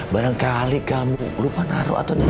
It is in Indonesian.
barangkali kamu lupa naruh atau tidak